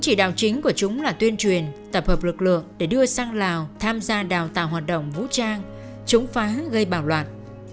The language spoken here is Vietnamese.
chúng phá hứng gây bảo loại